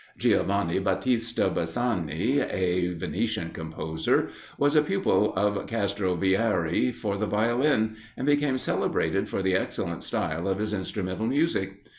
Giovanni Battista Bassani, a Venetian composer, was a pupil of Castrovillari for the Violin, and became celebrated for the excellent style of his instrumental music.